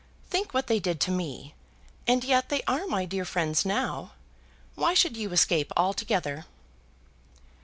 Think what they did to me, and yet they are my dear friends now. Why should you escape altogether?"